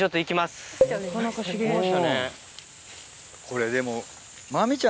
これでも。